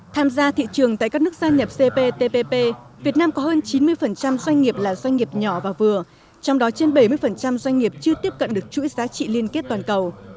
tham gia thị trường tại các nước gia nhập cptpp việt nam có hơn chín mươi doanh nghiệp là doanh nghiệp nhỏ và vừa trong đó trên bảy mươi doanh nghiệp chưa tiếp cận được chuỗi giá trị liên kết toàn cầu